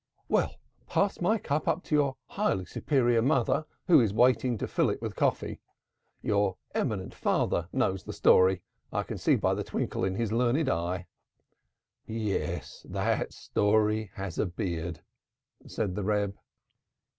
"Well, pass my cup up to your highly superior mother who is waiting to fill it with coffee. Your eminent father knows the story I can see by the twinkle in his learned eye." "Yes, that story has a beard," said the Reb.